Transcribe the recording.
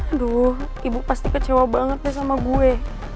aduh ibu pasti kecewa banget nih sama gue